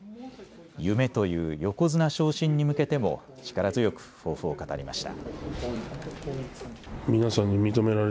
夢という横綱昇進に向けても力強く抱負を語りました。